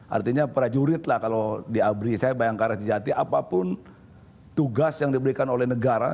artinya prajurit lah kalau di abri saya bayangkara sejati apapun tugas yang diberikan oleh negara